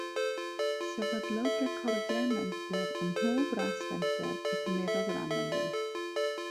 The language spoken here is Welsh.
Sefydlodd recordiau menter ym mhob ras fenter y cymerodd ran ynddynt.